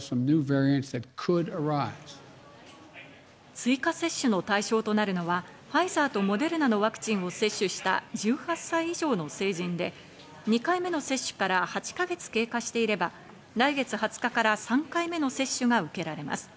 追加接種の対象となるのはファイザーとモデルナのワクチンを接種した１８歳以上の成人で、２回目の接種から８か月経過していれば来月２０日から３回目の接種が受けられます。